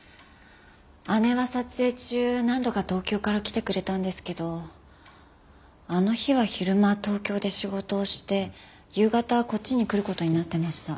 姉は撮影中何度か東京から来てくれたんですけどあの日は昼間東京で仕事をして夕方こっちに来る事になってました。